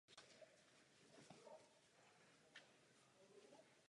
Je to otázka klasifikace.